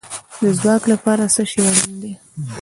د ځواک لپاره څه شی اړین دی؟